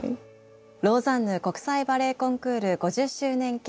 「ローザンヌ国際バレエコンクール５０周年記念